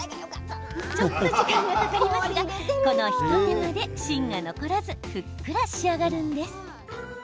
ちょっと時間がかかりますがこの一手間で、芯が残らずふっくら仕上がるんです。